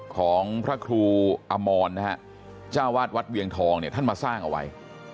ของพระครูอมรนะฮะเจ้าวาดวัดเวียงทองเนี่ยท่านมาสร้างเอาไว้